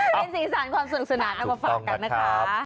เป็นสีสันความสนุกสนานเอามาฝากกันนะคะ